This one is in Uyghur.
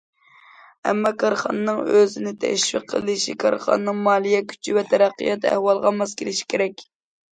ئەمما، كارخانىنىڭ ئۆزىنى تەشۋىق قىلىشى كارخانىنىڭ مالىيە كۈچى ۋە تەرەققىيات ئەھۋالىغا ماس كېلىشى كېرەك.